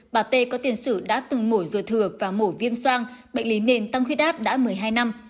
bà tê có tiền sử đã từng mổ rồi thừa và mổ viêm soang bệnh lý nền tăng huyết áp đã một mươi hai năm